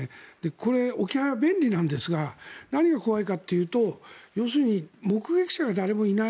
これ、置き配は便利なんですが何が怖いかというと要するに目撃者が誰もいない。